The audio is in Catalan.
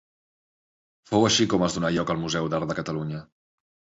Fou així com es donà lloc al Museu d'Art de Catalunya.